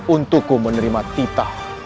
untukku menerima titah